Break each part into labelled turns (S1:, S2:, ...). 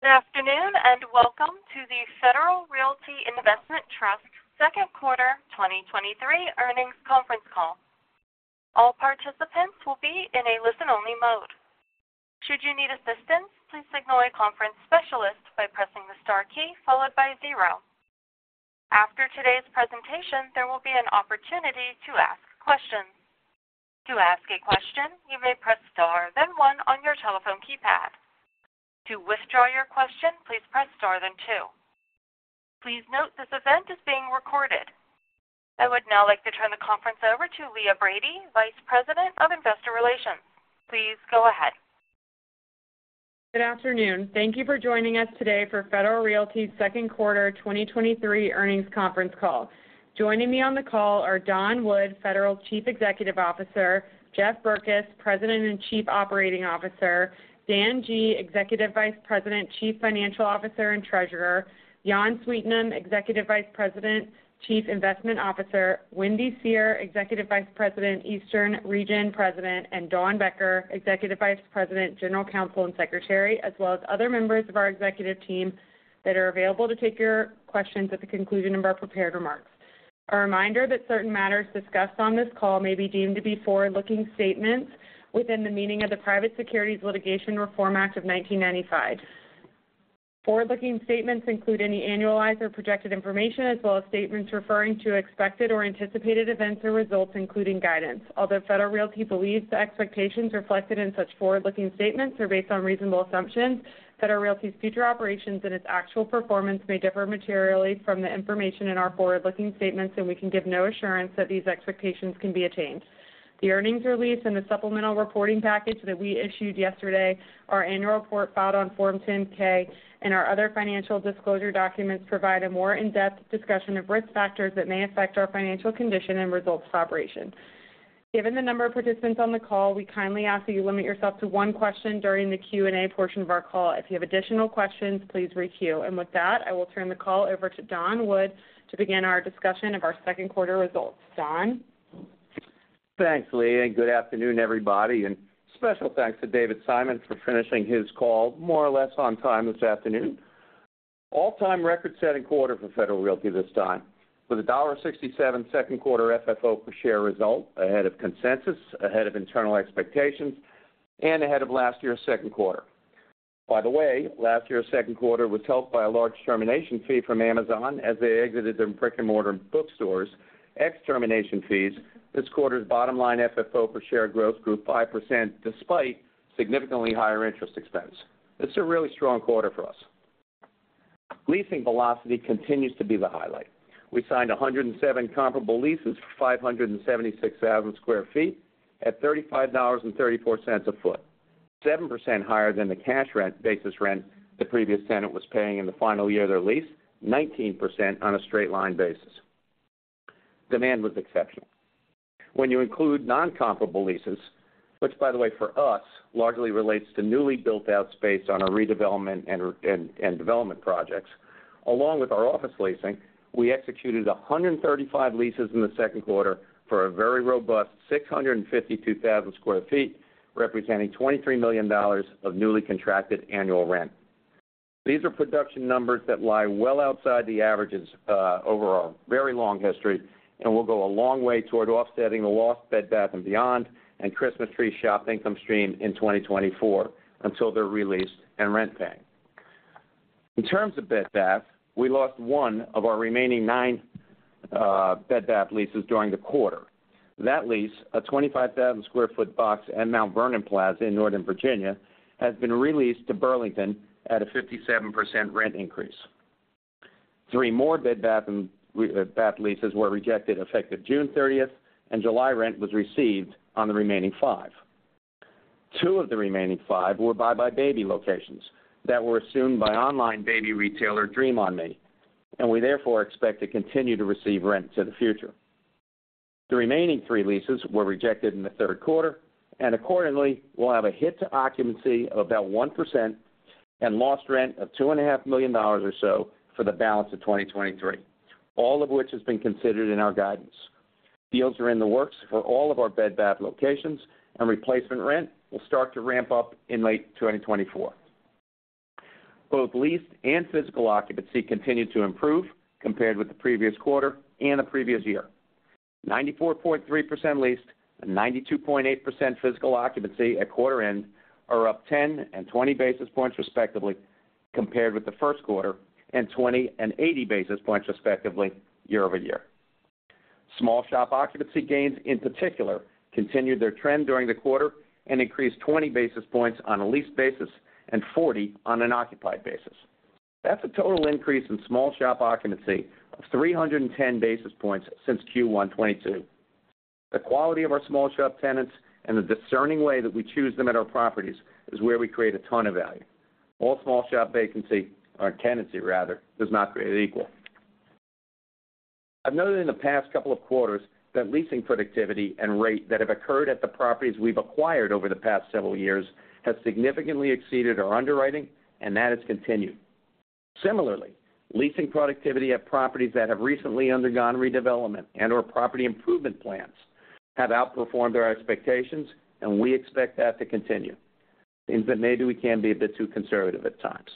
S1: Good afternoon, welcome to the Federal Realty Investment Trust Second Quarter 2023 Earnings Conference Call. All participants will be in a listen-only mode. Should you need assistance, please signal a conference specialist by pressing the star key followed by zero. After today's presentation, there will be an opportunity to ask questions. To ask a question, you may press Star, then one on your telephone keypad. To withdraw your question, please press Star, then two. Please note, this event is being recorded. I would now like to turn the conference over to Leah Brady, Vice President of Investor Relations. Please go ahead.
S2: Good afternoon. Thank you for joining us today for Federal Realty second quarter 2023 earnings conference call. Joining me on the call are Don Wood, Federal's Chief Executive Officer; Jeff Berkes, President and Chief Operating Officer; Dan Guglielmone, Executive Vice President, Chief Financial Officer, and Treasurer; Jan Sweetnam, Executive Vice President, Chief Investment Officer; Wendy Seher, Executive Vice President, Eastern Region President; and Dawn Becker, Executive Vice President, General Counsel, and Secretary, as well as other members of our executive team that are available to take your questions at the conclusion of our prepared remarks. A reminder that certain matters discussed on this call may be deemed to be forward-looking statements within the meaning of the Private Securities Litigation Reform Act of 1995. Forward-looking statements include any annualized or projected information, as well as statements referring to expected or anticipated events or results, including guidance. Although Federal Realty believes the expectations reflected in such forward-looking statements are based on reasonable assumptions, Federal Realty's future operations and its actual performance may differ materially from the information in our forward-looking statements, and we can give no assurance that these expectations can be attained. The earnings release and the supplemental reporting package that we issued yesterday, our annual report filed on Form 10-K, and our other financial disclosure documents provide a more in-depth discussion of risk factors that may affect our financial condition and results of operation. Given the number of participants on the call, we kindly ask that you limit yourself to one question during the Q&A portion of our call. If you have additional questions, please re-queue. With that, I will turn the call over to Don Wood to begin our discussion of our second quarter results. Don?
S3: Thanks, Leah. Good afternoon, everybody. Special thanks to David Simon for finishing his call more or less on time this afternoon. All-time record-setting quarter for Federal Realty this time, with a $1.67 second quarter FFO per share result, ahead of consensus, ahead of internal expectations, and ahead of last year's second quarter. By the way, last year's second quarter was helped by a large termination fee from Amazon as they exited their brick-and-mortar bookstores. Ex-termination fees, this quarter's bottom line, FFO per share growth grew 5%, despite significantly higher interest expense. It's a really strong quarter for us. Leasing velocity continues to be the highlight. We signed 107 comparable leases for 576,000 sq ft at $35.34 a foot, 7% higher than the cash rent basis rent the previous tenant was paying in the final year of their lease, 19% on a straight-line basis. Demand was exceptional. When you include non-comparable leases, which, by the way, for us, largely relates to newly built-out space on our redevelopment and development projects. Along with our office leasing, we executed 135 leases in the second quarter for a very robust 652,000 sq ft, representing $23 million of newly contracted annual rent. These are production numbers that lie well outside the averages, over our very long history, and will go a long way toward offsetting the lost Bed Bath & Beyond, and Christmas Tree Shops income stream in 2024, until they're re-leased and rent paying. In terms of Bed Bath, we lost one of our remaining nine, Bed Bath leases during the quarter. That lease, a 25,000 sq ft box at Mount Vernon Plaza in Northern Virginia, has been re-leased to Burlington at a 57% rent increase. Three more Bed Bath and Bath leases were rejected effective June 30th, and July rent was received on the remaining five. Two of the remaining five were buybuy BABY locations that were assumed by online baby retailer, Dream On Me, and we therefore expect to continue to receive rent to the future. The remaining three leases were rejected in the third quarter, and accordingly, we'll have a hit to occupancy of about 1% and lost rent of $2.5 million or so for the balance of 2023, all of which has been considered in our guidance. Deals are in the works for all of our Bed Bath locations, and replacement rent will start to ramp up in late 2024. Both leased and physical occupancy continued to improve compared with the previous quarter and the previous year. 94.3% leased and 92.8% physical occupancy at quarter end are up 10 and 20 basis points, respectively, compared with the first quarter, and 20 and 80 basis points, respectively, year-over-year. Small shop occupancy gains, in particular, continued their trend during the quarter and increased 20 basis points on a leased basis and 40 on an occupied basis. That's a total increase in small shop occupancy of 310 basis points since Q1 2022. The quality of our small shop tenants and the discerning way that we choose them at our properties is where we create a ton of value. All small shop vacancy, or tenancy rather, does not create equal. I've noted in the past couple of quarters that leasing productivity and rate that have occurred at the properties we've acquired over the past several years, has significantly exceeded our underwriting, and that has continued. Similarly, leasing productivity at properties that have recently undergone redevelopment and/or property improvement plans have outperformed our expectations, and we expect that to continue. Means that maybe we can be a bit too conservative at times.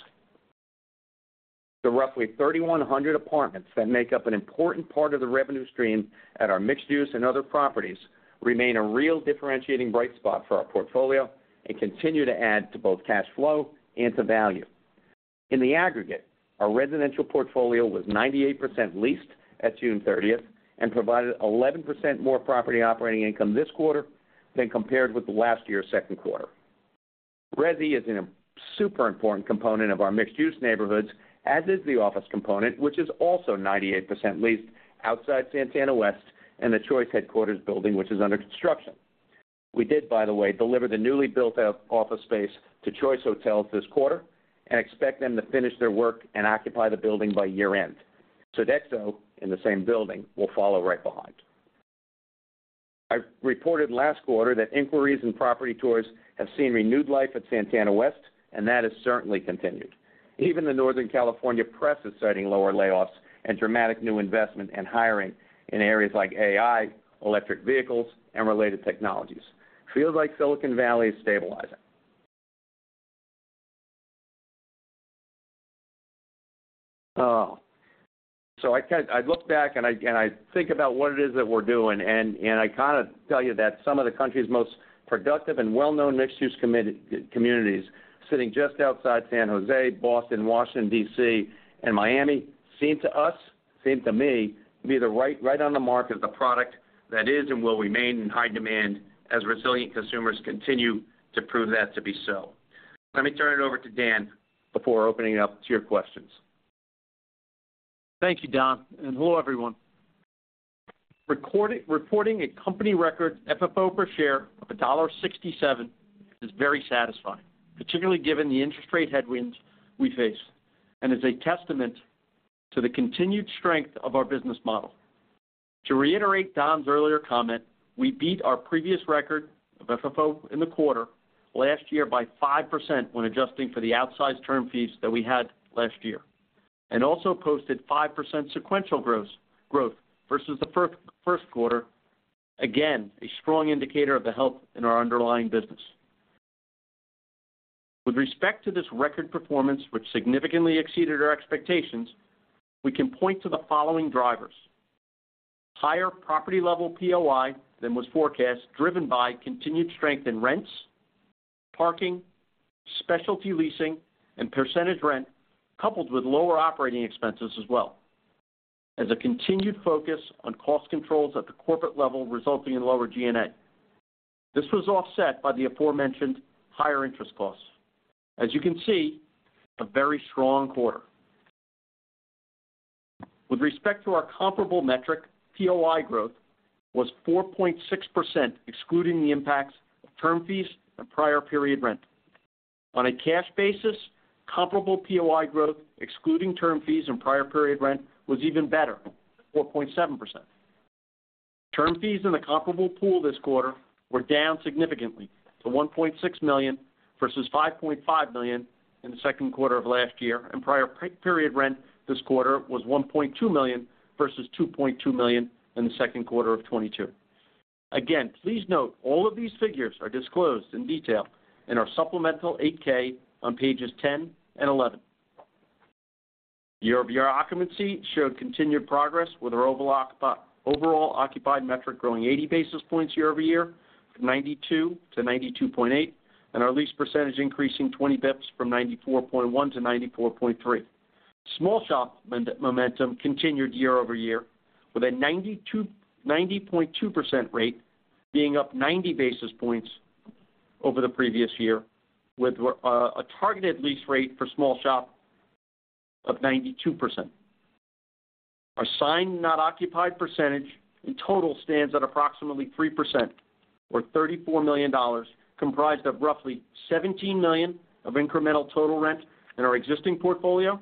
S3: The roughly 3,100 apartments that make up an important part of the revenue stream at our mixed use and other properties, remain a real differentiating bright spot for our portfolio and continue to add to both cash flow and to value. In the aggregate, our residential portfolio was 98% leased at June 30th and provided 11% more property operating income this quarter than compared with last year's second quarter. Resi is in a super important component of our mixed use neighborhoods, as is the office component, which is also 98% leased outside Santana West and the Choice headquarters building, which is under construction. We did, by the way, deliver the newly built out office space to Choice Hotels this quarter and expect them to finish their work and occupy the building by year-end. Sodexo, in the same building, will follow right behind. I reported last quarter that inquiries and property tours have seen renewed life at Santana West. That has certainly continued. Even the Northern California press is citing lower layoffs and dramatic new investment and hiring in areas like AI, electric vehicles, and related technologies. Feels like Silicon Valley is stabilizing. Oh, I look back and I think about what it is that we're doing, and I kind of tell you that some of the country's most productive and well-known mixed-use communities sitting just outside San Jose, Boston, Washington, D.C., and Miami, seem to us, seem to me, to be the right, right on the mark as a product that is and will remain in high demand as resilient consumers continue to prove that to be so. Let me turn it over to Dan before opening it up to your questions.
S4: Thank you, Don, and hello, everyone. reporting a company record FFO per share of $1.67 is very satisfying, particularly given the interest rate headwinds we face, and is a testament to the continued strength of our business model. To reiterate Don's earlier comment, we beat our previous record of FFO in the quarter last year by 5% when adjusting for the outsized term fees that we had last year, and also posted 5% sequential growth versus the first quarter. A strong indicator of the health in our underlying business. With respect to this record performance, which significantly exceeded our expectations, we can point to the following drivers: higher property level POI than was forecast, driven by continued strength in rents, parking, specialty leasing, and percentage rent, coupled with lower operating expenses as well. As a continued focus on cost controls at the corporate level, resulting in lower G&A. This was offset by the aforementioned higher interest costs. As you can see, a very strong quarter. With respect to our comparable metric, POI growth was 4.6%, excluding the impacts of term fees and prior period rent. On a cash basis, comparable POI growth, excluding term fees and prior period rent, was even better, 4.7%. Term fees in the comparable pool this quarter were down significantly to $1.6 million versus $5.5 million in the second quarter of last year, and prior period rent this quarter was $1.2 million versus $2.2 million in the second quarter of 2022. Again, please note, all of these figures are disclosed in detail in our supplemental 8-K on pages 10 and 11. Year-over-year occupancy showed continued progress with our overall occupied metric growing 80 basis points year-over-year, from 92%-92.8%, and our lease percentage increasing 20 bips from 94.1%-94.3%. Small shop momentum continued year-over-year, with a 90.2% rate being up 90 basis points over the previous year, with a targeted lease rate for small shop of 92%. Our signed not occupied percentage in total stands at approximately 3% or $34 million, comprised of roughly $17 million of incremental total rent in our existing portfolio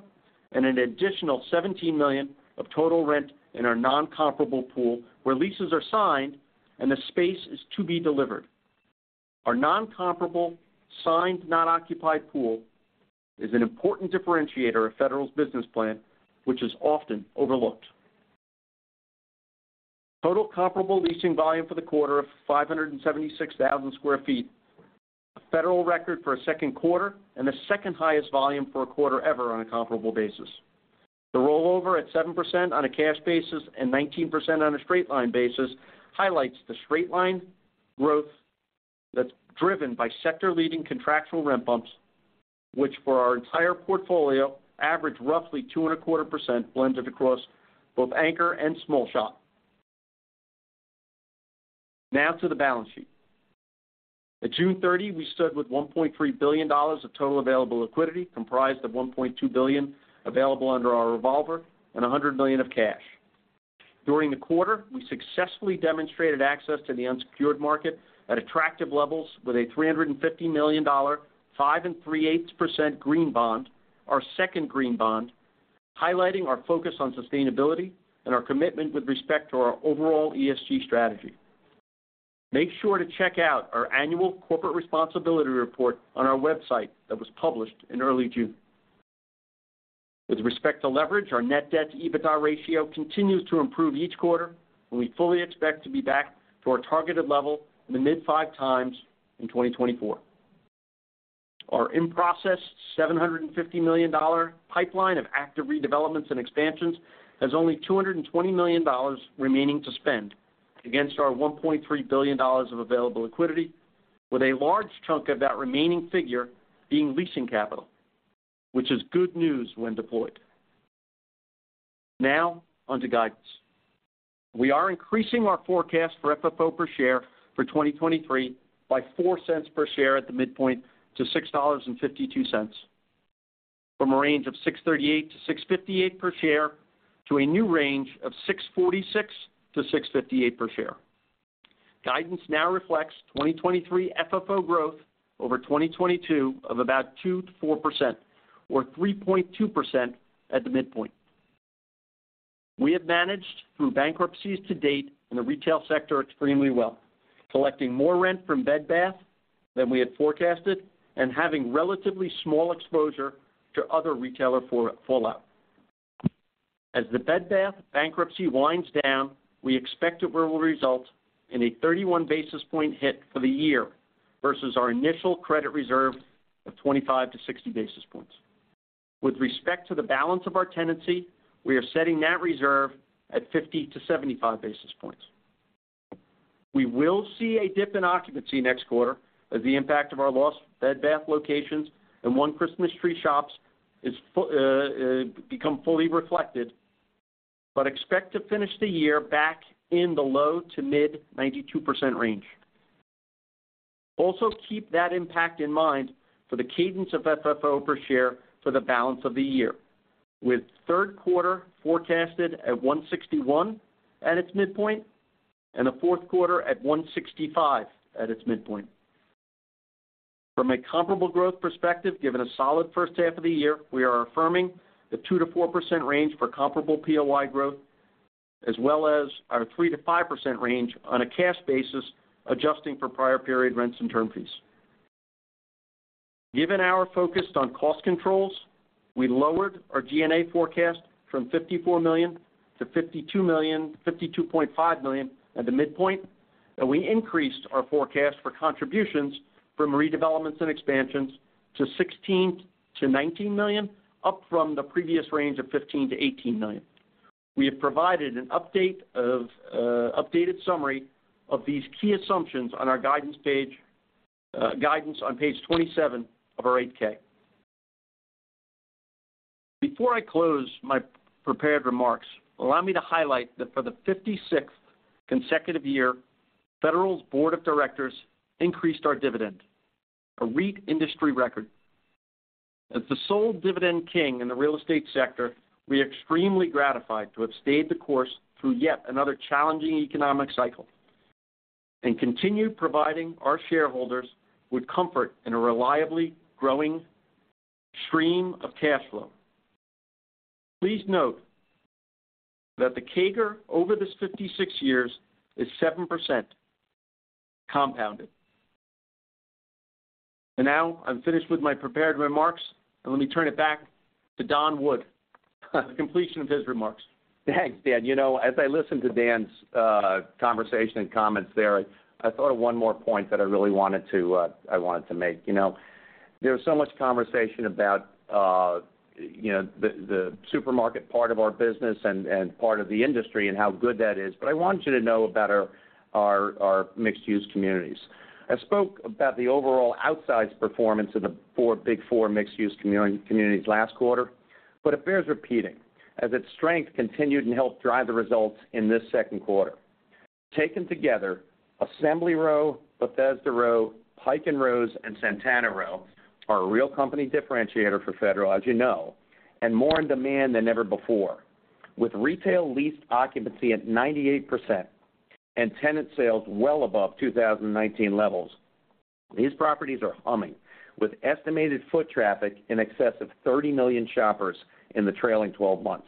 S4: and an additional $17 million of total rent in our non-comparable pool, where leases are signed and the space is to be delivered. Our non-comparable, signed not occupied pool is an important differentiator of Federal's business plan, which is often overlooked. Total comparable leasing volume for the quarter of 576,000 sq ft, a Federal record for a second quarter and the second highest volume for a quarter ever on a comparable basis. The rollover at 7% on a cash basis and 19% on a straight line basis highlights the straight line growth that's driven by sector-leading contractual rent bumps, which for our entire portfolio, average roughly 2.25% blended across both anchor and small shop. Now to the balance sheet. At June 30, we stood with $1.3 billion of total available liquidity, comprised of $1.2 billion available under our revolver and $100 million of cash. During the quarter, we successfully demonstrated access to the unsecured market at attractive levels with a $350 million, 5 and 3/8% green bond, our second green bond, highlighting our focus on sustainability and our commitment with respect to our overall ESG strategy. Make sure to check out our annual corporate responsibility report on our website that was published in early June. With respect to leverage, our net debt to EBITDA ratio continues to improve each quarter, and we fully expect to be back to our targeted level in the mid-5x in 2024. Our in-process $750 million pipeline of active redevelopments and expansions has only $220 million remaining to spend against our $1.3 billion of available liquidity, with a large chunk of that remaining figure being leasing capital, which is good news when deployed. Now on to guidance. We are increasing our forecast for FFO per share for 2023 by $0.04 per share at the midpoint to $6.52, from a range of $6.38-$6.58 per share, to a new range of $6.46-$6.58 per share. Guidance now reflects 2023 FFO growth over 2022 of about 2%-4% or 3.2% at the midpoint. We have managed through bankruptcies to date in the retail sector extremely well, collecting more rent from Bed Bath than we had forecasted and having relatively small exposure to other retailer fallout. As the Bed Bath bankruptcy winds down, we expect it will result in a 31 basis point hit for the year versus our initial credit reserve of 25-60 basis points. With respect to the balance of our tenancy, we are setting that reserve at 50-75 basis points. We will see a dip in occupancy next quarter as the impact of our lost Bed Bath locations and one Christmas Tree Shops become fully reflected, but expect to finish the year back in the low to mid 92% range. Also, keep that impact in mind for the cadence of FFO per share for the balance of the year, with third quarter forecasted at $1.61 at its midpoint and a fourth quarter at $1.65 at its midpoint. From a comparable growth perspective, given a solid first half of the year, we are affirming the 2%-4% range for comparable POI growth, as well as our 3%-5% range on a cash basis, adjusting for prior period rents and term fees. Given our focus on cost controls, we lowered our G&A forecast from $54 million-$52 million, $52.5 million at the midpoint, and we increased our forecast for contributions from redevelopments and expansions to $16 million-$19 million, up from the previous range of $15 million-$18 million. We have provided an update of updated summary of these key assumptions on our guidance page, guidance on page 27 of our 8-K. Before I close my prepared remarks, allow me to highlight that for the 56th consecutive year, Federal's board of directors increased our dividend, a REIT industry record. As the sole Dividend King in the real estate sector, we are extremely gratified to have stayed the course through yet another challenging economic cycle and continue providing our shareholders with comfort in a reliably growing stream of cash flow. Please note that the CAGR over this 56 years is 7% compounded. Now I'm finished with my prepared remarks, and let me turn it back to Don Wood, for the completion of his remarks.
S3: Thanks, Dan. You know, as I listened to Dan's conversation and comments there, I, I thought of one more point that I really wanted to, I wanted to make. You know, there's so much conversation about, you know, the, the supermarket part of our business and, and part of the industry and how good that is, but I want you to know about our, our, our mixed-use communities. I spoke about the overall outsized performance of the four Big Four mixed-use communities last quarter, but it bears repeating, as its strength continued and helped drive the results in this second quarter. Taken together, Assembly Row, Bethesda Row, Pike & Rose, and Santana Row are a real company differentiator for Federal, as you know, and more in demand than ever before. With retail leased occupancy at 98% and tenant sales well above 2019 levels, these properties are humming, with estimated foot traffic in excess of 30 million shoppers in the trailing 12 months.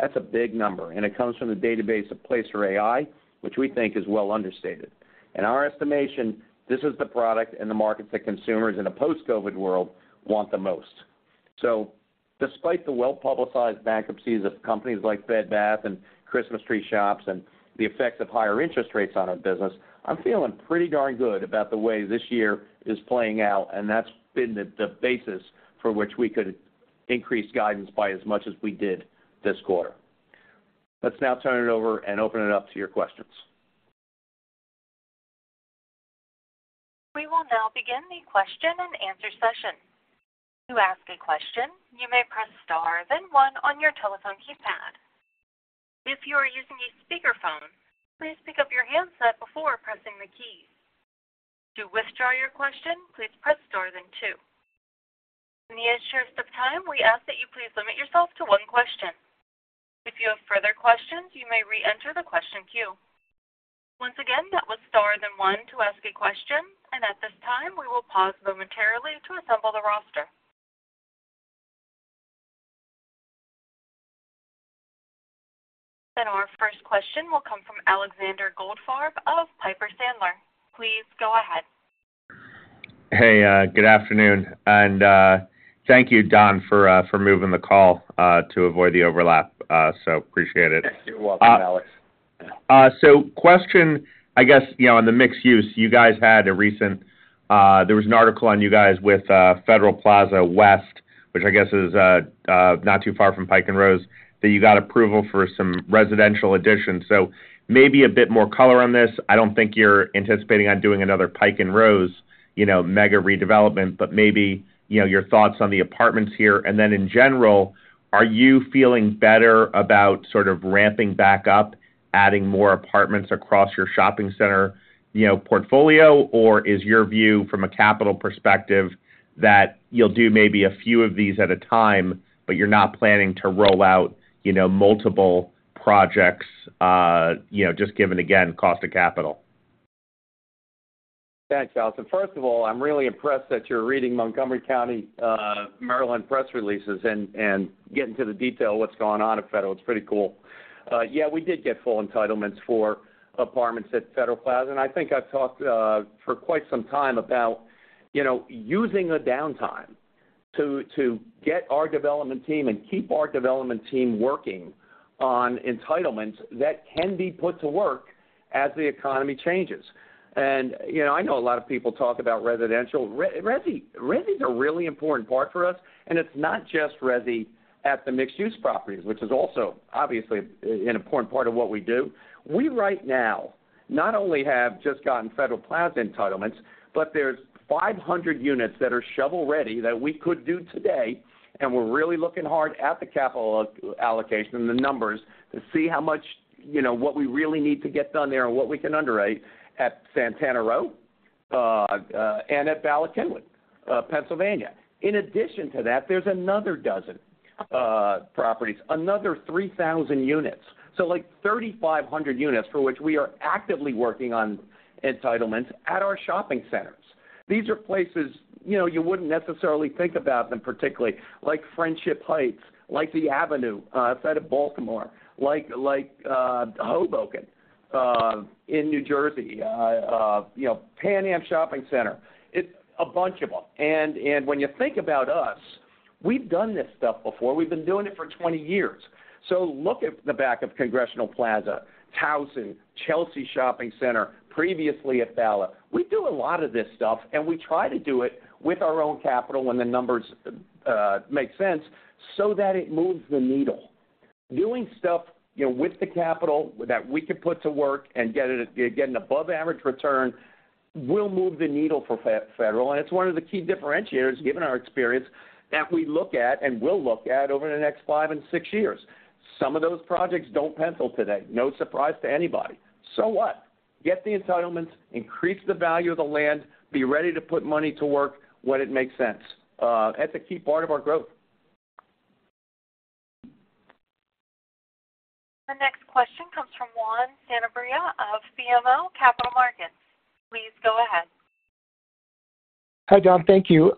S3: That's a big number, and it comes from the database of Placer.ai, which we think is well understated. In our estimation, this is the product and the market that consumers in a post-COVID world want the most. Despite the well-publicized bankruptcies of companies like Bed Bath and Christmas Tree Shops and the effects of higher interest rates on our business, I'm feeling pretty darn good about the way this year is playing out, and that's been the, the basis for which we could increase guidance by as much as we did this quarter. Let's now turn it over and open it up to your questions.
S1: We will now begin the question and answer session. To ask a question, you may press star, then one on your telephone keypad. If you are using a speakerphone, please pick up your handset before pressing the keys. To withdraw your question, please press star then two. In the interest of time, we ask that you please limit yourself to one question. If you have further questions, you may reenter the question queue. Once again, that was star then one to ask a question, and at this time, we will pause momentarily to assemble the roster. Our first question will come from Alexander Goldfarb of Piper Sandler. Please go ahead.
S5: Hey, good afternoon. Thank you, Don, for moving the call to avoid the overlap. Appreciate it.
S3: You're welcome, Alex.
S5: Question, I guess, you know, on the mixed use, you guys had a recent. There was an article on you guys with Federal Plaza West, which I guess is not too far from Pike & Rose, that you got approval for some residential additions. Maybe a bit more color on this. I don't think you're anticipating on doing another Pike & Rose, you know, mega redevelopment, but maybe, you know, your thoughts on the apartments here. Then in general, are you feeling better about sort of ramping back up, adding more apartments across your shopping center, you know, portfolio? Or is your view from a capital perspective that you'll do maybe a few of these at a time, but you're not planning to roll out, multiple projects, just given again, cost of capital?
S3: Thanks, Alex. First of all, I'm really impressed that you're reading Montgomery County, Maryland, press releases and getting to the detail of what's going on at Federal. It's pretty cool. Yeah, we did get full entitlements for apartments at Federal Plaza. I think I've talked for quite some time about, you know, using the downtime to get our development team and keep our development team working on entitlements that can be put to work as the economy changes. You know, I know a lot of people talk about residential. Resi, resi is a really important part for us, and it's not just resi at the mixed-use properties, which is also, obviously, an important part of what we do. We right now, not only have just gotten Federal Plaza entitlements, there's 500 units that are shovel-ready that we could do today, we're really looking hard at the capital allocation and the numbers to see how much, you know, what we really need to get done there and what we can underwrite at Santana Row and at Bala Cynwyd, Pennsylvania. In addition to that, there's another dozen properties, another 3,000 units. Like, 3,500 units for which we are actively working on entitlements at our shopping centers. These are places, you know, you wouldn't necessarily think about them particularly, like Friendship Heights, like The Avenue outside of Baltimore, like, like Hoboken in New Jersey, you know, Pan Am Shopping Center. It's a bunch of them. When you think about us, we've done this stuff before. We've been doing it for 20 years. Look at the back of Congressional Plaza, Towson, Chelsea Shopping Center, previously at Bala. We do a lot of this stuff, and we try to do it with our own capital when the numbers make sense, so that it moves the needle. Doing stuff, you know, with the capital that we can put to work and get it, get an above average return, will move the needle for Federal, and it's one of the key differentiators, given our experience, that we look at and will look at over the next five and six years. Some of those projects don't pencil today. No surprise to anybody. What? Get the entitlements, increase the value of the land, be ready to put money to work when it makes sense. That's a key part of our growth.
S1: The next question comes from Juan Sanabria of BMO Capital Markets. Please go ahead.
S6: Hi, Don. Thank you.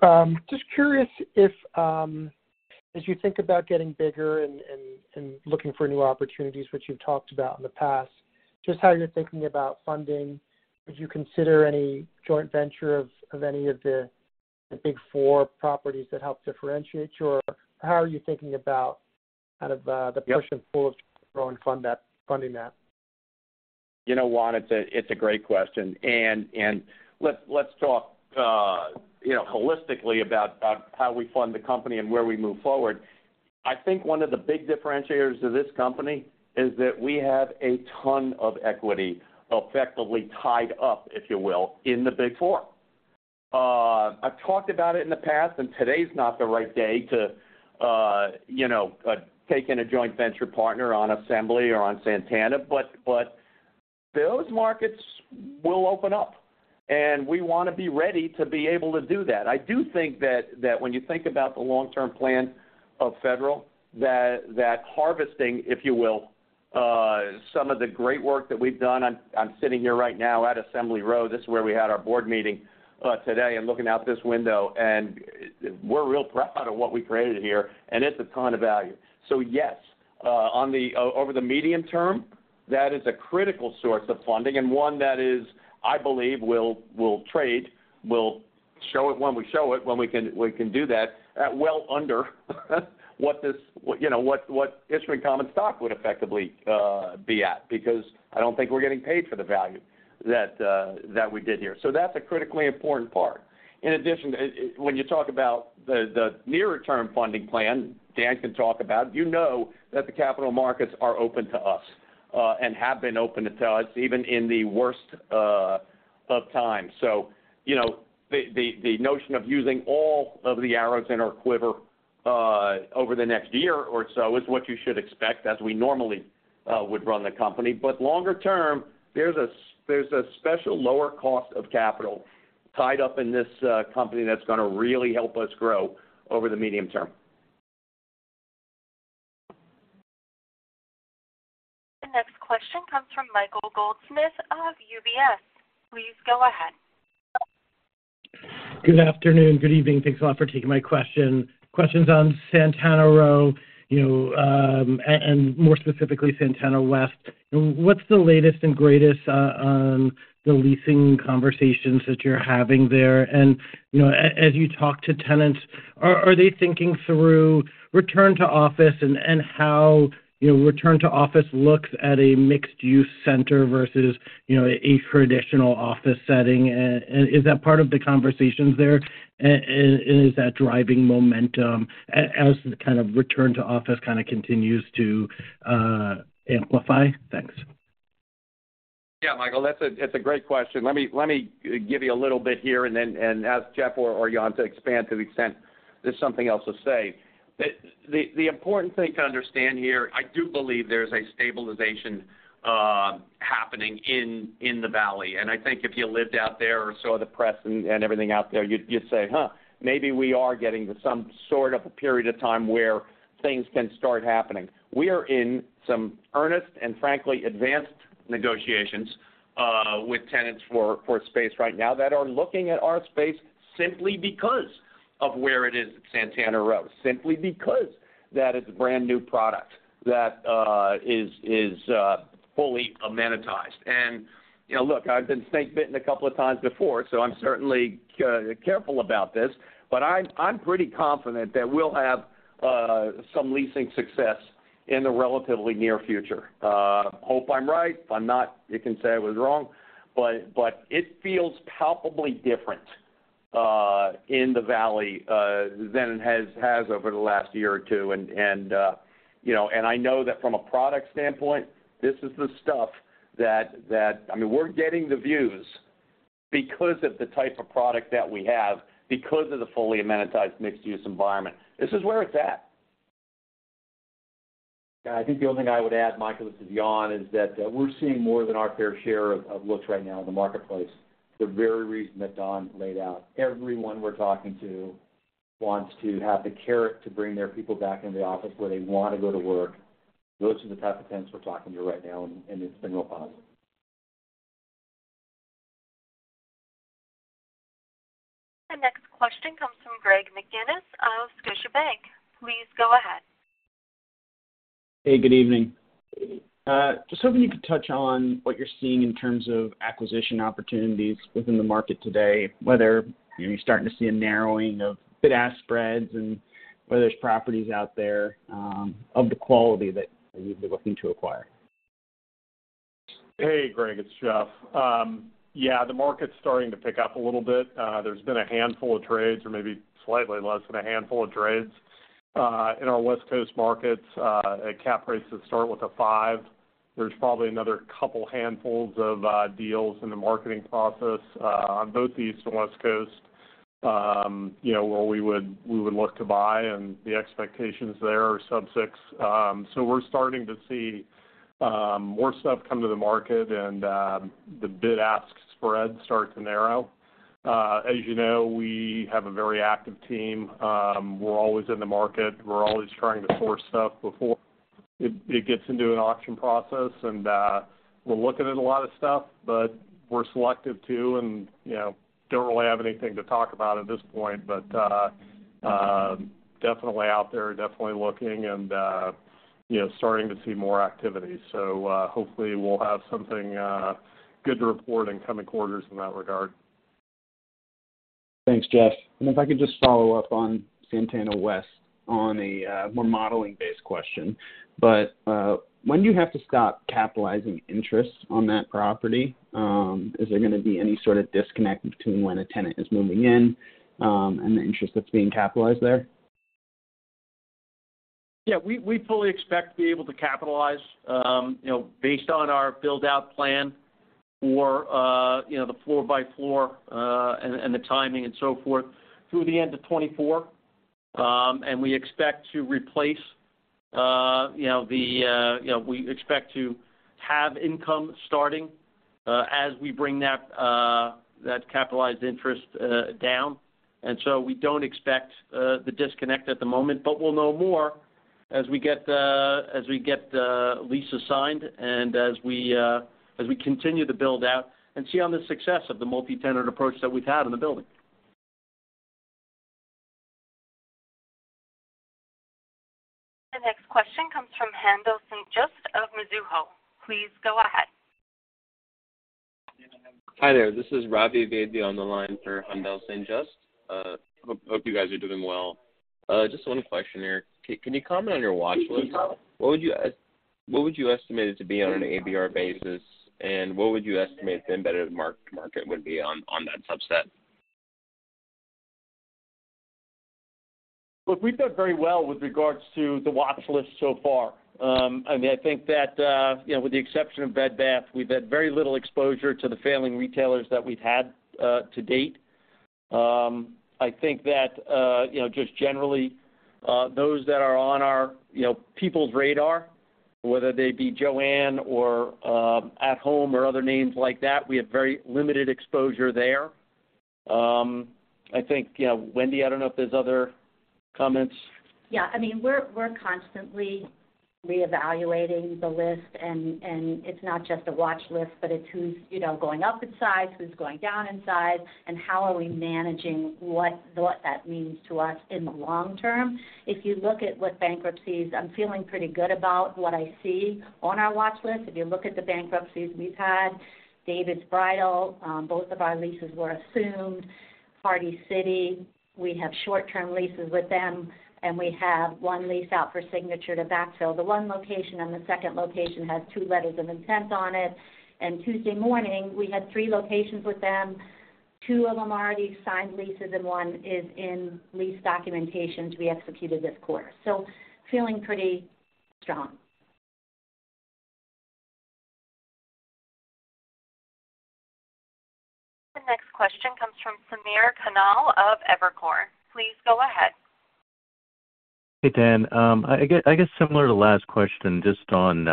S6: Just curious if, as you think about getting bigger and, and, and looking for new opportunities, which you've talked about in the past, just how you're thinking about funding. Would you consider any joint venture of, of any of the Big Four properties that help differentiate you, or how are you thinking about kind of?
S3: Yep...
S6: the push and pull of growing fund that, funding that?
S3: You know what? It's a great question. Let's talk, you know, holistically about how we fund the company and where we move forward. I think one of the big differentiators of this company is that we have a ton of equity effectively tied up, if you will, in the Big Four. I've talked about it in the past, and today's not the right day to, you know, take in a joint venture partner on Assembly or on Santana, but those markets will open up, and we want to be ready to be able to do that. I do think that when you think about the long-term plan of Federal, that harvesting, if you will, some of the great work that we've done... I'm sitting here right now at Assembly Row. This is where we had our board meeting today and looking out this window, and we're real proud of what we created here, and it's a ton of value. Yes, on the over the medium term, that is a critical source of funding and one that is, I believe, will, will trade, will show it when we show it, when we can, we can do that, at well under what this, you know, what, what issuing common stock would effectively be at, because I don't think we're getting paid for the value that we did here. That's a critically important part. In addition, when you talk about the nearer term funding plan, Dan can talk about, you know that the capital markets are open to us and have been open to us even in the worst of times. You know, the, the, the notion of using all of the arrows in our quiver over the next year or so is what you should expect as we normally would run the company. Longer-term, there's a special lower cost of capital tied up in this company that's gonna really help us grow over the medium-term.
S1: The next question comes from Michael Goldsmith of UBS. Please go ahead.
S7: Good afternoon, good evening. Thanks a lot for taking my question. Questions on Santana Row, you know, and more specifically, Santana West. What's the latest and greatest on the leasing conversations that you're having there? You know, as you talk to tenants, are, are they thinking through return to office and, and how, you know, return to office looks at a mixed-use center versus, you know, a traditional office setting? Is that part of the conversations there? Is that driving momentum as the kind of return to office kind of continues to amplify? Thanks.
S3: Yeah, Michael, that's a, that's a great question. Let me, let me give you a little bit here, and then, and ask Jeff or, or Jan to expand to the extent there's something else to say. The, the, the important thing to understand here, I do believe there's a stabilization, happening in, in the valley. I think if you lived out there or saw the press and, and everything out there, you'd, you'd say, "Huh, maybe we are getting to some sort of a period of time where things can start happening." We are in some earnest and frankly, advanced negotiations, with tenants for, for space right now that are looking at our space simply because of where it is at Santana Row. Simply because that it's a brand-new product that, is, is, fully amenitized. You know, look, I've been snake bitten a couple of times before, so I'm certainly careful about this, but I'm, I'm pretty confident that we'll have some leasing success in the relatively near future. Hope I'm right. If I'm not, you can say I was wrong, but, but it feels palpably different in the Valley than it has, has over the last year or two. You know, and I know that from a product standpoint, this is the stuff that, that I mean, we're getting the views because of the type of product that we have, because of the fully amenitized mixed-use environment. This is where it's at.
S8: Yeah, I think the only thing I would add, Michael, this is Jan, is that, we're seeing more than our fair share of looks right now in the marketplace. The very reason that Don laid out, everyone we're talking to wants to have the carrot to bring their people back into the office where they want to go to work. Those are the type of tenants we're talking to right now, it's been real positive.
S1: The next question comes from Greg McGinniss of Scotiabank. Please go ahead.
S9: Hey, good evening. Just hoping you could touch on what you're seeing in terms of acquisition opportunities within the market today, whether, you know, you're starting to see a narrowing of bid-ask spreads and whether there's properties out there, of the quality that you'd be looking to acquire.
S10: Hey, Greg, it's Jeff. Yeah, the market's starting to pick up a little bit. There's been a handful of trades, or maybe slightly less than a handful of trades, in our West Coast markets, at cap rates that start with a five. There's probably another couple handfuls of deals in the marketing process, on both the East and West Coast, you know, where we would, we would look to buy and the expectations there are sub six. We're starting to see more stuff come to the market and the bid-ask spreads start to narrow. As you know, we have a very active team. We're always in the market. We're always trying to source stuff before it, it gets into an auction process, and, we're looking at a lot of stuff, but we're selective too, and, you know, don't really have anything to talk about at this point, but, definitely out there, definitely looking and, you know, starting to see more activity. Hopefully, we'll have something, good to report in coming quarters in that regard.
S9: Thanks, Jeff. If I could just follow up on Santana West on a more modeling-based question. When do you have to stop capitalizing interest on that property? Is there gonna be any sort of disconnect between when a tenant is moving in and the interest that's being capitalized there?
S3: Yeah, we, we fully expect to be able to capitalize, you know, based on our build-out plan for, you know, the floor by floor, and, and the timing and so forth, through the end of 2024. We expect to replace, you know, the, you know, we expect to have income starting, as we bring that, that capitalized interest, down. We don't expect the disconnect at the moment, but we'll know more as we get, as we get, leases signed and as we, as we continue to build out and see on the success of the multi-tenant approach that we've had in the building.
S1: The next question comes from Haendel St. Juste of Mizuho. Please go ahead.
S11: Hi there, this is Ravi Vaidya on the line for Haendel St. Juste. Hope, hope you guys are doing well. Just 1 question here. Can, can you comment on your watch list? What would you what would you estimate it to be on an ABR basis, and what would you estimate the embedded market would be on, on that subset?
S3: Look, we've done very well with regards to the watch list so far. I mean, I think that, you know, with the exception of Bed Bath, we've had very little exposure to the failing retailers that we've had, to date. I think that, you know, just generally, those that are on our, you know, people's radar, whether they be JOANN or At Home or other names like that, we have very limited exposure there. I think, you know, Wendy, I don't know if there's comments?
S12: Yeah, I mean, we're, we're constantly reevaluating the list, and, and it's not just a watch list, but it's who's, you know, going up in size, who's going down in size, and how are we managing what, what that means to us in the long term. If you look at what bankruptcies, I'm feeling pretty good about what I see on our watch list. If you look at the bankruptcies we've had, David's Bridal, both of our leases were assumed. Party City, we have short-term leases with them, and we have one lease out for signature to backfill the one location, and the second location has two letters of intent on it. Tuesday Morning, we had three locations with them. Two of them are already signed leases, and one is in lease documentation to be executed this quarter. Feeling pretty strong.
S1: The next question comes from Samir Khanal of Evercore. Please go ahead.
S13: Hey, Dan. I guess similar to last question, just on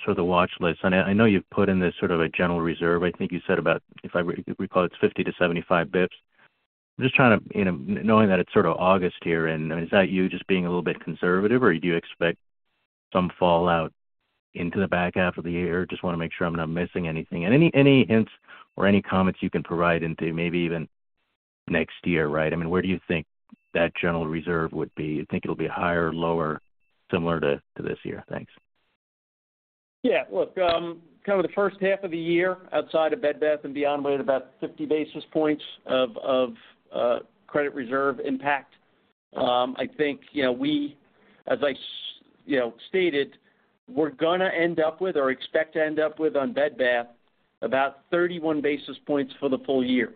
S13: sort of the watch list. I know, I know you've put in this sort of a general reserve. I think you said about, if I recall, it's 50-75 basis points. Just trying to, you know, knowing that it's sort of August here, and is that you just being a little bit conservative, or do you expect some fallout into the back half of the year? Just want to make sure I'm not missing anything. Any, any hints or any comments you can provide into maybe even next year, right? I mean, where do you think that general reserve would be? Do you think it'll be higher, lower, similar to, to this year? Thanks.
S4: Yeah, look, kind of the first half of the year outside of Bed Bath & Beyond, we had about 50 basis points of credit reserve impact. I think, you know, we, as I, you know, stated, we're gonna end up with or expect to end up with on Bed Bath, about 31 basis points for the full year,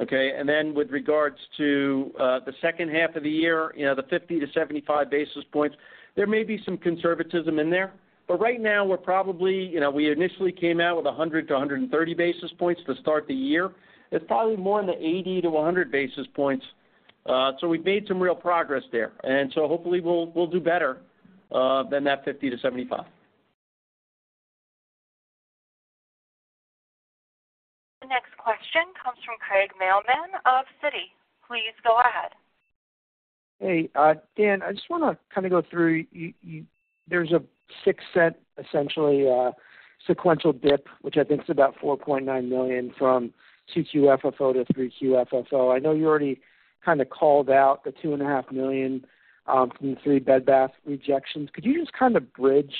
S4: okay. Then with regards to the second half of the year, you know, the 50-75 basis points, there may be some conservatism in there, but right now we're probably... You know, we initially came out with 100-130 basis points to start the year. It's probably more in the 80-100 basis points. We've made some real progress there. Hopefully, we'll, we'll do better than that 50-75.
S1: The next question comes from Craig Mailman of Citi. Please go ahead.
S14: Hey, Dan, I just wanna kind of go through you, there's a $0.06, essentially, sequential dip, which I think is about $4.9 million from 2Q FFO to 3Q FFO. I know you already kind of called out the $2.5 million, from the three Bed Bath rejections. Could you just kind of bridge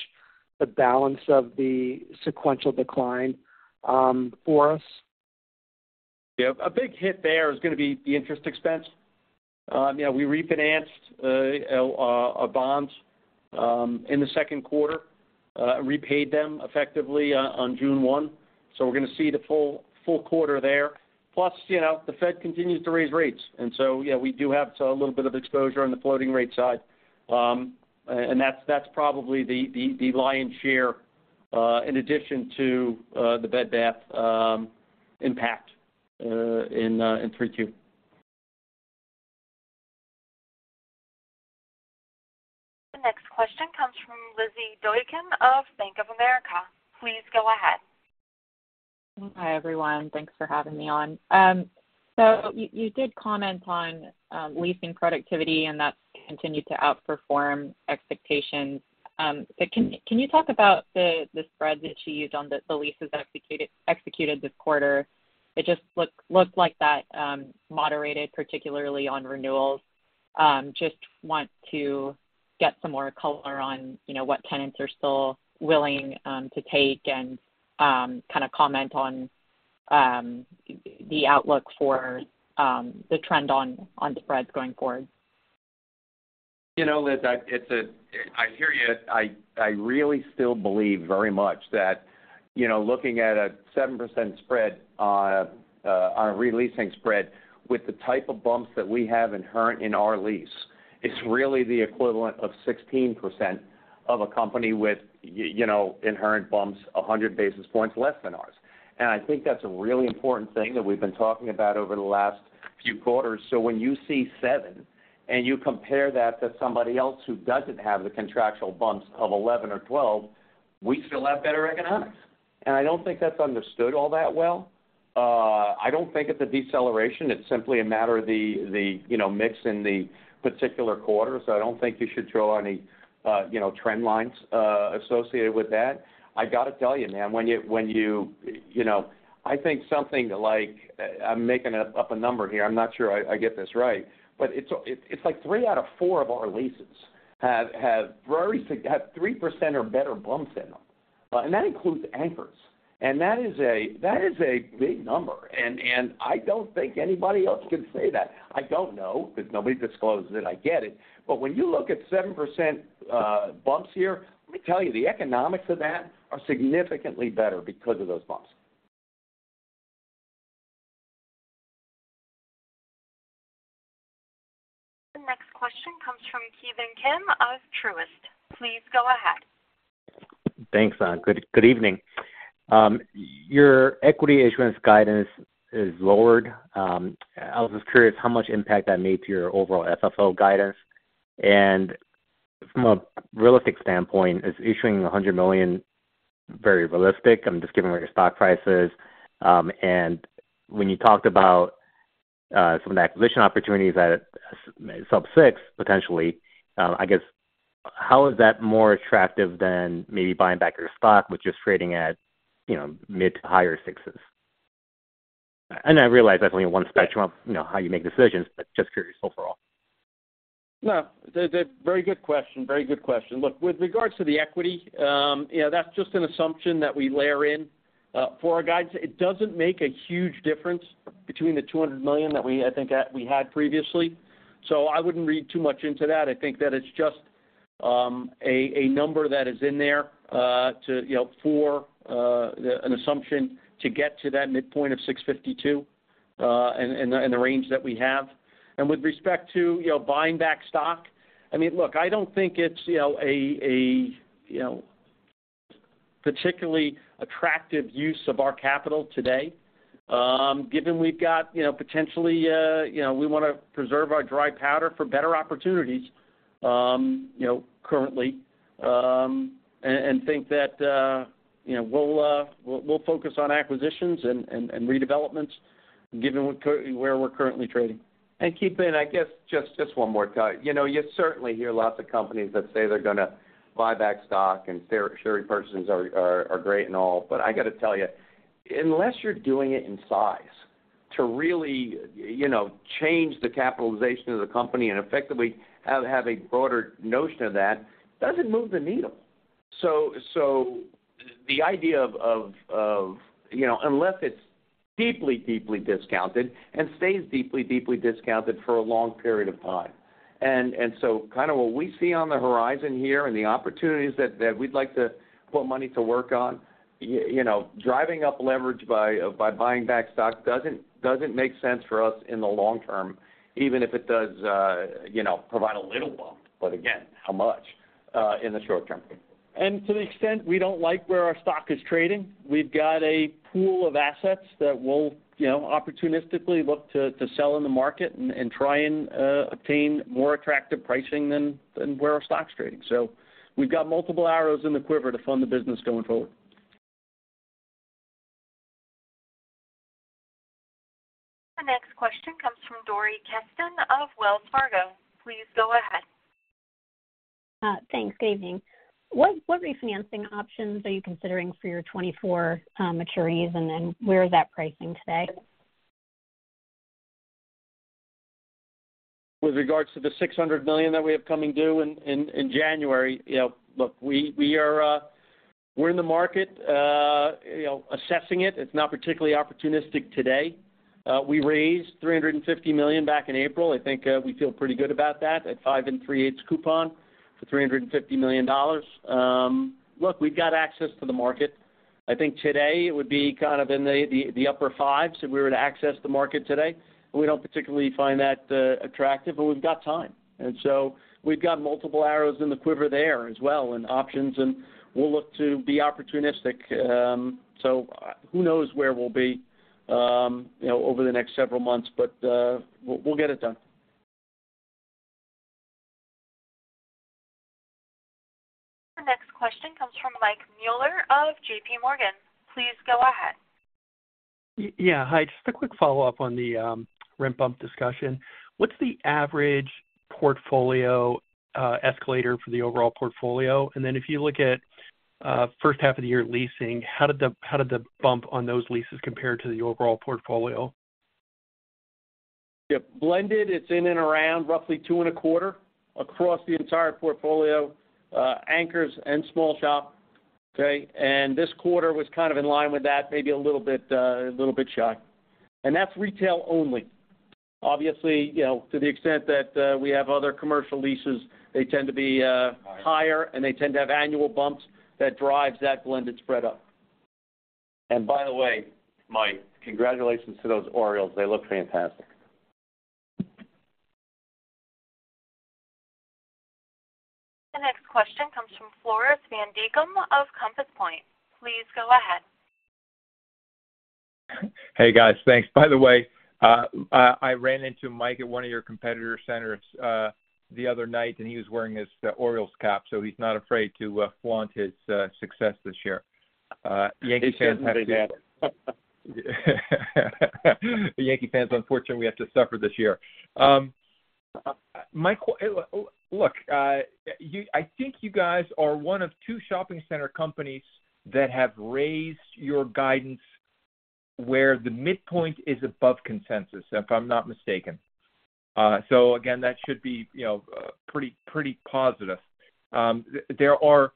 S14: the balance of the sequential decline, for us?
S4: Yeah. A big hit there is gonna be the interest expense. Yeah, we refinanced our, our bonds in the second quarter, repaid them effectively on June 1. We're gonna see the full, full quarter there. You know, the Fed continues to raise rates. Yeah, we do have a little bit of exposure on the floating rate side. That's, that's probably the, the, the lion's share in addition to the Bed Bath impact in 3Q.
S1: The next question comes from Lizzy Doykan of Bank of America. Please go ahead.
S15: Hi, everyone. Thanks for having me on. You, you did comment on leasing productivity, and that's continued to outperform expectations. Can, can you talk about the, the spread that you used on the, the leases that executed, executed this quarter? It just look, looked like that moderated, particularly on renewals. Just want to get some more color on, you know, what tenants are still willing to take and kind of comment on the outlook for the trend on, on spreads going forward.
S3: You know, Liz, I hear you. I, I really still believe very much that, you know, looking at a 7% spread on a re-leasing spread with the type of bumps that we have inherent in our lease, it's really the equivalent of 16% of a company with you know, inherent bumps, 100 basis points less than ours. I think that's a really important thing that we've been talking about over the last few quarters. When you see seven, and you compare that to somebody else who doesn't have the contractual bumps of 11 or 12, we still have better economics. I don't think that's understood all that well. I don't think it's a deceleration. It's simply a matter of the, you know, mix in the particular quarter. I don't think you should draw any, you know, trend lines associated with that. I gotta tell you, ma'am, You know, I think something like, I'm making up a number here, I'm not sure I, I get this right, but it's, it's like three out of four of our leases have, have 3% or better bumps in them, and that includes anchors. That is a, that is a big number, and I don't think anybody else can say that. I don't know, because nobody discloses it, I get it. When you look at 7%, bumps here, let me tell you, the economics of that are significantly better because of those bumps.
S1: The next question comes from Ki Bin Kim of Truist. Please go ahead.
S16: Thanks. Good, good evening. Your equity issuance guidance is lowered. I was just curious how much impact that made to your overall FFO guidance. Second, from a realistic standpoint, is issuing $100 million very realistic? I'm just giving where your stock price is. When you talked about some of the acquisition opportunities at sub six, potentially, I guess, how is that more attractive than maybe buying back your stock, which is trading at, you know, mid to higher 6s? I realize that's only one spectrum of, you know, how you make decisions, but just curious overall.
S4: No, the very good question, very good question. Look, with regards to the equity, you know, that's just an assumption that we layer in for our guidance. It doesn't make a huge difference between the $200 million that we, I think, we had previously. I wouldn't read too much into that. I think that it's just a number that is in there to, you know, for the, an assumption to get to that midpoint of $6.52, and the range that we have. With respect to, you know, buying back stock, I mean, look, I don't think it's, you know, a, you know, particularly attractive use of our capital today. Given we've got, you know, potentially, you know, we wanna preserve our dry powder for better opportunities, you know, currently. And think that, you know, we'll, we'll, we'll focus on acquisitions and, and, and redevelopments given where we're currently trading.
S3: Keep in, I guess, one more time. You know, you certainly hear lots of companies that say they're gonna buy back stock, and share repurchases are great and all, but I gotta tell you, unless you're doing it in size to really, you know, change the capitalization of the company and effectively have a broader notion of that, doesn't move the needle. The idea of, you know, unless it's deeply, deeply discounted and stays deeply, deeply discounted for a long period of time. kind of what we see on the horizon here and the opportunities that, that we'd like to put money to work on, you know, driving up leverage by buying back stock doesn't, doesn't make sense for us in the long-term, even if it does, you know, provide a little bump. again, how much in the short-term?
S4: To the extent we don't like where our stock is trading, we've got a pool of assets that we'll, you know, opportunistically look to, to sell in the market and try and obtain more attractive pricing than, than where our stock is trading. We've got multiple arrows in the quiver to fund the business going forward.
S1: The next question comes from Dori Kesten of Wells Fargo. Please go ahead.
S17: Thanks. Good evening. What, what refinancing options are you considering for your 2024 maturities, and then where is that pricing today?
S4: With regards to the $600 million that we have coming due in January, you know, look, we, we are, we're in the market, you know, assessing it. It's not particularly opportunistic today. We raised $350 million back in April. I think, we feel pretty good about that, at 5 and 3,8 coupon for $350 million. Look, we've got access to the market. I think today it would be kind of in the upper fives if we were to access the market today, and we don't particularly find that attractive, but we've got time. So we've got multiple arrows in the quiver there as well, and options, and we'll look to be opportunistic. Who knows where we'll be, you know, over the next several months, but, we'll, we'll get it done.
S1: Our next question comes from Mike Mueller of JP Morgan. Please go ahead.
S18: Yeah, hi, just a quick follow-up on the rent bump discussion. What's the average portfolio escalator for the overall portfolio? Then if you look at first half of the year leasing, how did the bump on those leases compare to the overall portfolio?
S4: Yep, blended, it's in and around, roughly 2.25 across the entire portfolio, anchors and small shop, okay? This quarter was kind of in line with that, maybe a little bit, a little bit shy. That's retail only. Obviously, you know, to the extent that we have other commercial leases, they tend to be higher, and they tend to have annual bumps that drives that blended spread up.
S3: By the way, Mike, congratulations to those Orioles. They look fantastic.
S1: The next question comes from Floris van Dijkum of Compass Point. Please go ahead.
S19: Hey, guys, thanks. By the way, I, I ran into Mike at one of your competitor centers the other night, and he was wearing his Orioles cap, so he's not afraid to flaunt his success this year. Yankees...
S4: He shouldn't be there.
S19: The Yankee fans, unfortunately, we have to suffer this year. Look, I think you guys are one of two shopping center companies that have raised your guidance where the midpoint is above consensus, if I'm not mistaken. Again, that should be, you know, pretty, pretty positive. There are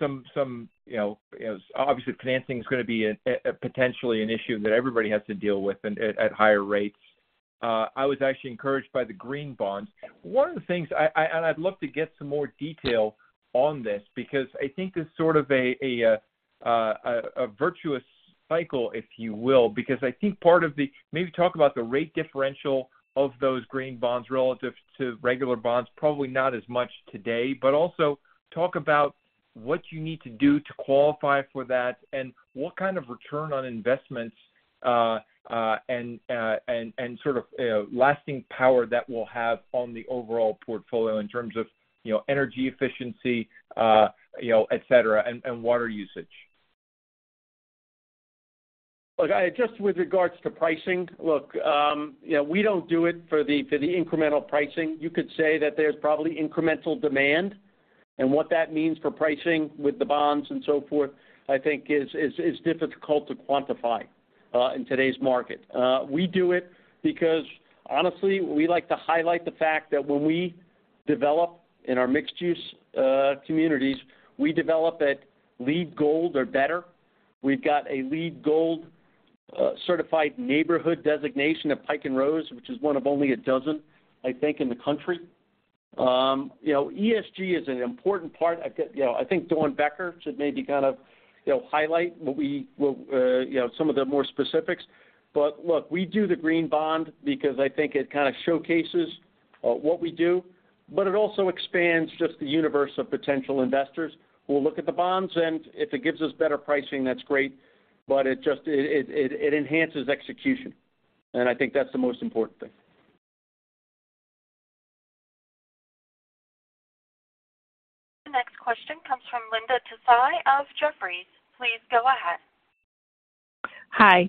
S19: some, some, you know, as obviously, financing is gonna be a, potentially an issue that everybody has to deal with at, at higher rates. I was actually encouraged by the green bonds. One of the things I, I'd love to get some more detail on this because I think it's sort of a virtuous cycle, if you will, because I think maybe talk about the rate differential of those green bonds relative to regular bonds, probably not as much today. But also talk about-... what you need to do to qualify for that, and what kind of return on investments, and, and, and sort of, lasting power that will have on the overall portfolio in terms of, you know, energy efficiency, you know, et cetera, and, and water usage?
S4: Look, I just with regards to pricing, look, you know, we don't do it for the, for the incremental pricing. You could say that there's probably incremental demand, and what that means for pricing with the bonds and so forth, I think is, is, is difficult to quantify in today's market. We do it because honestly, we like to highlight the fact that when we develop in our mixed-use communities, we develop at LEED Gold or better. We've got a LEED Gold certified neighborhood designation at Pike and Rose, which is one of only 12, I think, in the country. You know, ESG is an important part. I think, you know, I think Dawn Becker should maybe kind of, you know, highlight what we, what, you know, some of the more specifics. Look, we do the green bond because I think it kind of showcases, what we do, but it also expands just the universe of potential investors. If it gives us better pricing, that's great, but it just, it, it, it enhances execution, and I think that's the most important thing.
S1: The next question comes from Linda Tsai of Jefferies. Please go ahead.
S20: Hi.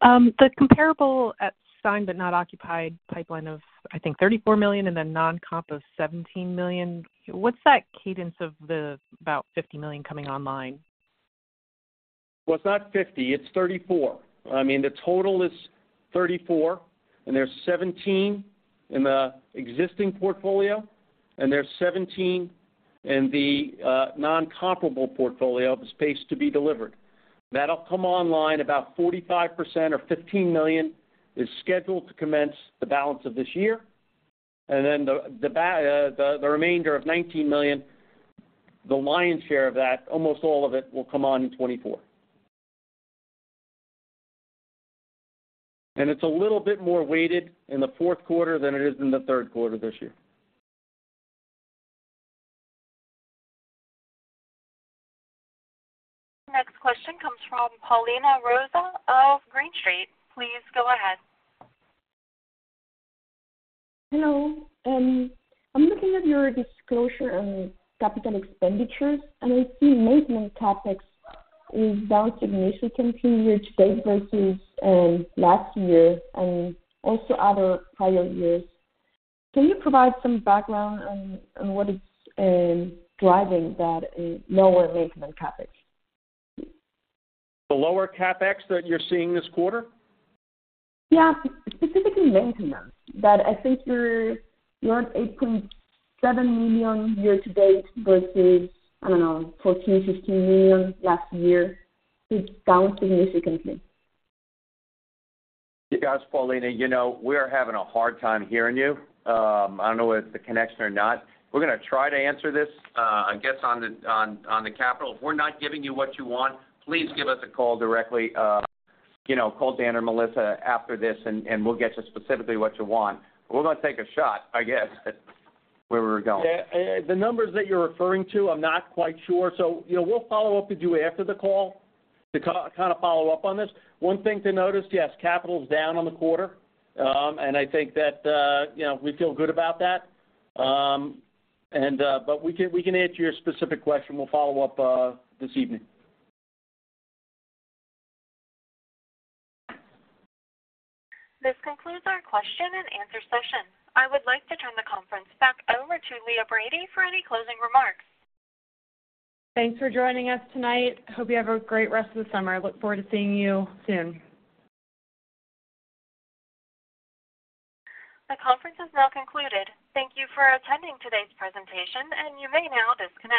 S20: The comparable at signed not occupied pipeline of, I think, $34 million and then non-comp of $17 million, what's that cadence of the about $50 million coming online?
S4: Well, it's not 50, it's 34. I mean, the total is 34. There's 17 in the existing portfolio. There's 17 in the non-comparable portfolio of space to be delivered. That'll come online, about 45% or $15 million is scheduled to commence the balance of this year. The remainder of $19 million, the lion's share of that, almost all of it, will come on in 2024. It's a little bit more weighted in the fourth quarter than it is in the third quarter this year.
S1: Next question comes from Paulina Rojas of Green Street. Please go ahead.
S21: Hello. I'm looking at your disclosure on capital expenditures, and I see maintenance CapEx is down significantly, year-to-date versus, last year and also other prior years. Can you provide some background on, on what is, driving that, lower maintenance CapEx?
S22: The lower CapEx that you're seeing this quarter?
S21: Yeah, specifically maintenance, that I think you're, you're at $8.7 million year to date versus, I don't know, $14 million-$15 million last year. It's down significantly.
S22: Yes, Paulina, you know, we are having a hard time hearing you. I don't know if it's the connection or not. We're gonna try to answer this, I guess, on the capital. If we're not giving you what you want, please give us a call directly. You know, call Dan or Melissa after this, and we'll get you specifically what you want. We're gonna take a shot, I guess, at where we're going.
S4: Yeah, the numbers that you're referring to, I'm not quite sure. You know, we'll follow up with you after the call to kind of follow up on this. One thing to notice, yes, capital is down on the quarter. I think that, you know, we feel good about that. But we can, we can answer your specific question. We'll follow up, this evening.
S1: This concludes our question and answer session. I would like to turn the conference back over to Leah Brady for any closing remarks.
S2: Thanks for joining us tonight. Hope you have a great rest of the summer. Look forward to seeing you soon.
S1: The conference is now concluded. Thank you for attending today's presentation, and you may now disconnect.